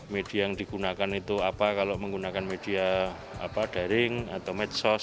media yang digunakan itu apa kalau menggunakan media daring atau medsos